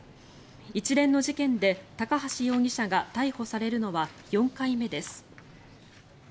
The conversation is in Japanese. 一連の事件で高橋容疑者が逮捕されるのは４回目です。